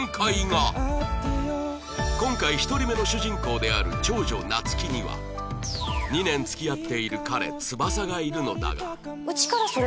今回１人目の主人公である長女夏希には２年付き合っている彼翼がいるのだが